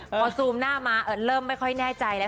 พอซูมหน้ามาเริ่มไม่ค่อยแน่ใจแล้ว